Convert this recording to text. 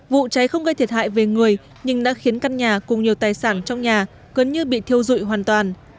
vụ cháy không gây thiệt hại về người nhưng đã khiến căn nhà cùng nhiều tài sản trong nhà gần như bị thiêu dụi hoàn toàn